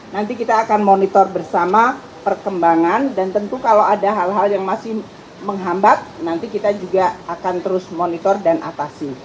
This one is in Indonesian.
nanti kita akan monitor bersama perkembangan dan tentu kalau ada hal hal yang masih menghambat nanti kita juga akan terus monitor dan atasi